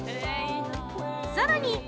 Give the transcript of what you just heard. さらに！